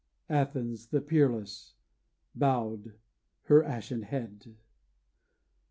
Athens the peerless bowed her ashen head.